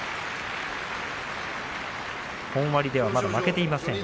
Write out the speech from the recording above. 本割ではまだ負けていません。